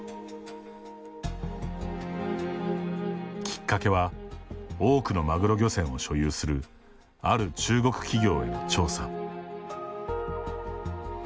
きっかけは、多くのマグロ漁船を所有する、ある中国企業への調査。